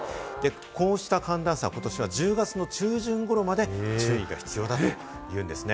こうした寒暖差、ことしは１０月の中旬ごろまで注意が必要だというんですね。